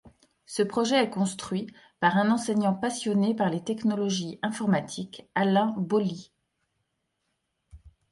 Ce projet est construit par un enseignant passionné par les technologies informatiques, Alain Bolli.